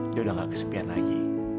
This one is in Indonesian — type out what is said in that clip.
dia udah gak kesepian lagi